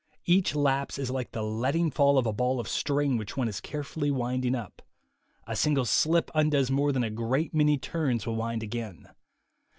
Each lapse is like the letting fall of a ball of string which one is carefully winding up; a single slip undoes more than a great many turns will wind again.